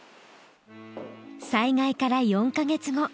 災害から４カ月後。